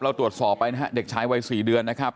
เราตรวจสอบไปนะฮะเด็กชายวัย๔เดือนนะครับ